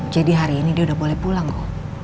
jadi hari ini dia udah boleh pulang go